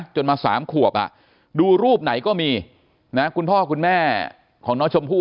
จนมา๓ขวบดูรูปไหนก็มีนะคุณพ่อคุณแม่ของน้องชมพู่